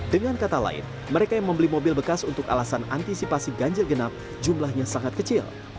dengan kata lain mereka yang membeli mobil bekas untuk alasan antisipasi ganjil genap jumlahnya sangat kecil